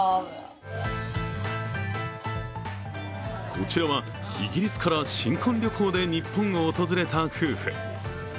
こちらはイギリスから新婚旅行で日本を訪れた夫婦。